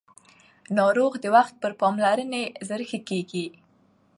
ناروغ د وخت پر پاملرنې ژر ښه کېږي